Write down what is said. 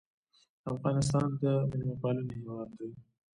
افغانستان د میلمه پالنې هیواد دی